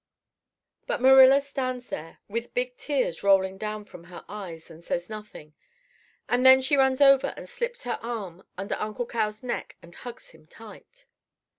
"But Marilla stands there with big tears rolling down from her eyes and says nothing. And then she runs over and slips her arm under Uncle Cal's neck and hugs him tight.